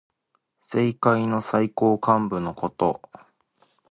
政界の最高幹部のこと。